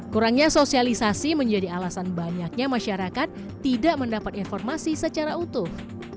kurangnya sosialisasi menjadi alasan banyaknya masyarakat tidak mendapat informasi secara utuh